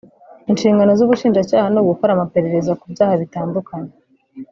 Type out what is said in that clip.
Inshingano z’ubushinjacyaha ni ugukora amaperereza ku byaha bitandukanye